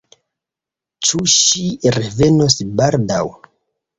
Ĉu ŝi revenos baldaŭ?